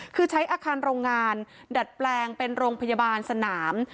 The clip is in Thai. คือใช้อาคารโรงงานดัดแปลงเป็นโรงพยาบาลสนาม